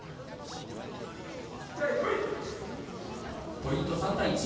ポイント３対１。